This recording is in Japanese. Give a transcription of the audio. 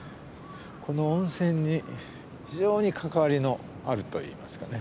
この温泉に非常に関わりのあるといいますかね